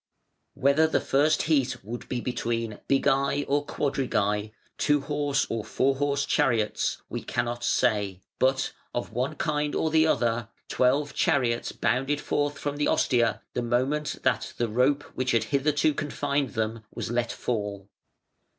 Whether the first heat would be between bigæ or quadrigæ (two horse or four horse chariots), we cannot say; but, of one kind or the other, twelve chariots bounded forth from the ostia the moment that the rope which had hitherto confined them was let fall.